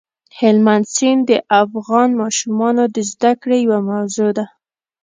هلمند سیند د افغان ماشومانو د زده کړې یوه موضوع ده.